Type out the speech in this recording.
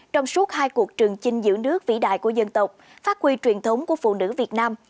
trong suốt hai cuộc trường chinh giữ nước vĩ đại của dân tộc phát huy truyền thống của phụ nữ việt nam